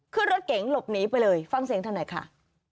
ขึ้นรถเก๋งหลบหนีไปเลยฟังเสียงเธอหน่อยค่ะ